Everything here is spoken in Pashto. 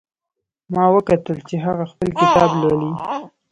ما وکتل چې هغه خپل کتاب لولي